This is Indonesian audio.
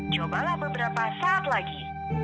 cobalah beberapa saat lagi